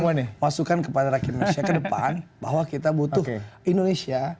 masukan kepada rakyat indonesia ke depan bahwa kita butuh indonesia